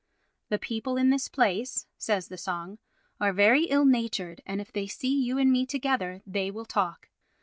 "The people in this place," says the song, "are very ill natured, and if they see you and me together, they will talk," &c.